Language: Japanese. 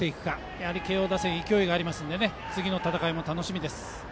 やはり慶応打線勢いがありますので次の戦いも楽しみです。